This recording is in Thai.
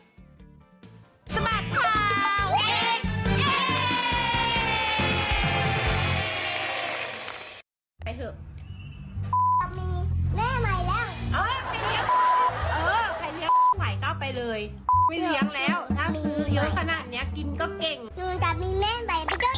สะบัดข้าวเด็ก